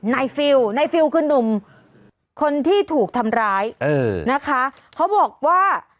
ฟิลล์นายฟิลคือนุ่มคนที่ถูกทำร้ายเออนะคะเขาบอกว่า